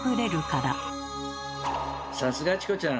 さすがチコちゃん。